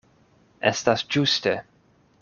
Estas ĝuste.